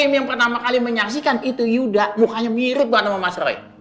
kami yang pertama kali menyaksikan itu yuda bukannya mirip banget sama mas roy